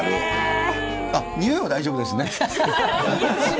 あっ、においは大丈夫ですね。